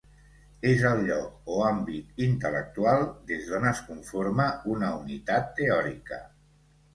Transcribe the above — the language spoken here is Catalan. És el lloc o àmbit intel·lectual des d'on es conforma una unitat teòrica.